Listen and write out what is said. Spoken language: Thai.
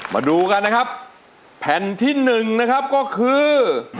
มาดูกันนะครับแผ่นที่๑นะครับก็คือ